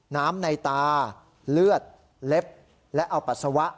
น้ำในตาเลือดเล็บและเอาปัสสาวะ